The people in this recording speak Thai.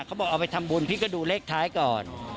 เขาบอกเอาไปทำบุญพี่ก็ดูเลขท้ายก่อน